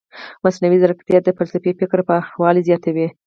مصنوعي ځیرکتیا د فلسفي فکر پراخوالی زیاتوي.